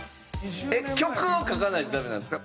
えっ曲を書かないとダメなんですか？